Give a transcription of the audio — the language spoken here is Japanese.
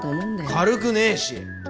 軽くねえし！